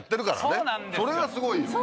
それがすごいよ。